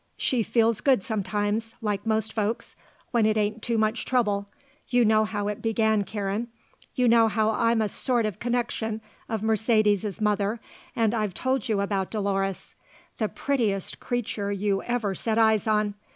She feels good sometimes, like most folks, when it ain't too much trouble. You know how it began, Karen. You know how I'm a sort of connection of Mercedes's mother and I've told you about Dolores. The prettiest creature you ever set eyes on.